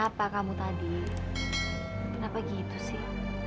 apa kamu tadi kenapa gitu sih